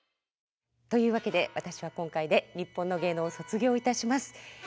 というわけで私は今回で「にっぽんの芸能」を卒業いたします。